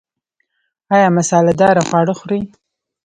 ایا مساله داره خواړه خورئ؟